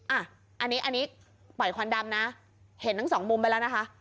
อันนี้อันนี้ปล่อยควันดำนะเห็นทั้งสองมุมไปแล้วนะคะ